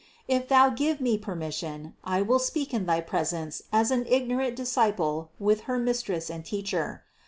If Thou give me permission I will speak in thy presence as an ignorant disciple with her Mistress and Teacher.